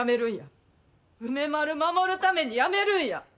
梅丸守るためにやめるんや！